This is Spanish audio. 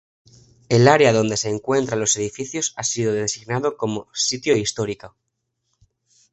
El área donde se encuentran los edificios ha sido designado como "Sitio Histórico".